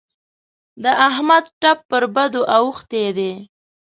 د احمد ټپ پر بدو اوښتی دی.